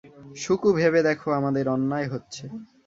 সুকু, ভেবে দেখো, আমাদের অন্যায় হচ্ছে ।